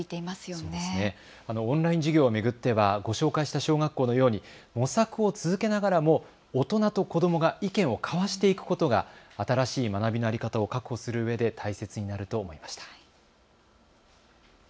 このオンライン授業を巡ってはご紹介した小学校のように模索を続けながらも大人と子どもが意見を交わしていくことが新しい学びの在り方を確保するうえで大切になると思います。